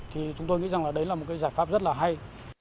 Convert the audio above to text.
thì chúng tôi nghĩ rằng là đấy là một cái giải pháp rất là hay